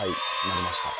なりました？